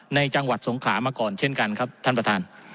จังหวัดสงขามาก่อนเช่นกันครับท่านประธาน